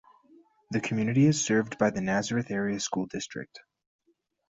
The community is served by the Nazareth Area School District.